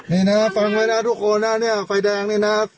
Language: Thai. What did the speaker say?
นี่นะฟังไว้นะทุกคนนะเนี่ยไฟแดงนี่นะ